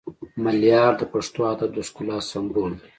ملیار د پښتو ادب د ښکلا سمبول دی